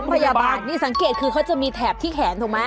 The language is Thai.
พยาบาลนี่สังเกตคือเขาจะมีแถบที่แขนถูกไหม